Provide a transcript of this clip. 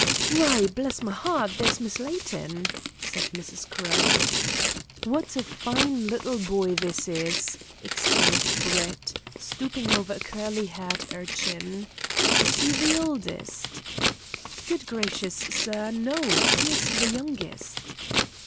"Why, bless my 'eart, there's Miss Layton," said Mrs. Crowe. "What a fine little boy this is!" exclaimed Brett, stooping over a curly haired urchin. "Is he the oldest?" "Good gracious, sir, no. He's the youngest."